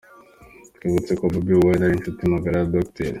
Tubibutse ko Bobi Wine ari inshuti magara ya Dr.